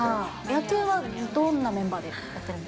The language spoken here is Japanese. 野球はどんなメンバーでやっ